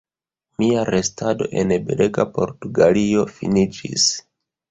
Mia restado en belega Portugalio finiĝis.